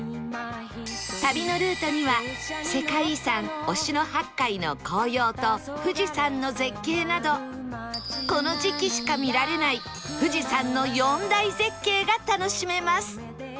旅のルートには世界遺産忍野八海の紅葉と富士山の絶景などこの時期しか見られない富士山の４大絶景が楽しめます